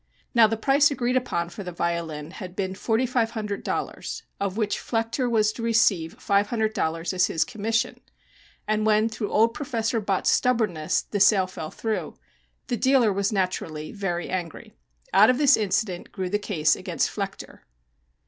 Now the price agreed upon for the violin had been forty five hundred dollars, of which Flechter was to receive five hundred dollars as his commission, and when, through old Professor Bott's stubbornness, the sale fell through, the dealer was naturally very angry. Out of this incident grew the case against Flechter.